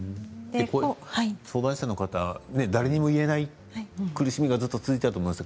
相談者の方誰にも言えない苦しみがずっと続いていると思います。